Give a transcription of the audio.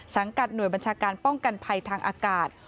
กับหน่วยบัญชาการป้องกันภัยทางอากาศ